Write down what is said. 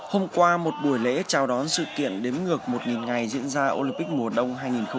hôm qua một buổi lễ chào đón sự kiện đếm ngược một ngày diễn ra olympic mùa đông hai nghìn hai mươi